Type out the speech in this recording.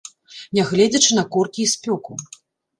Нягледзячы на коркі і спёку.